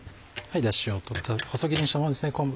ダシを取った細切りにしたものですね昆布。